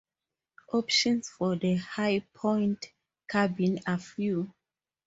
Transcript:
Options for the Hi-Point carbine are few.